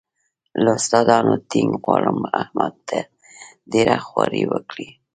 له استادانو ټینګ غواړم احمد ته ډېره خواري وکړي.